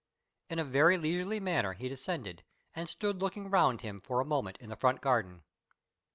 In a very leisurely manner he descended and stood looking around him for a moment in the front garden.